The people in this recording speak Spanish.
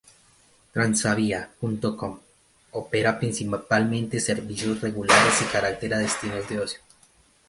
Transavia.com opera principalmente servicios regulares y chárter a destinos de ocio.